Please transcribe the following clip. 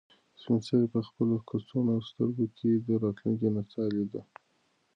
سپین سرې په خپل کڅوړنو سترګو کې د راتلونکي نڅا لیده.